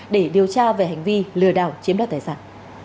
để điều tra về hành vi lừa đảo chiếm đoạt tài sản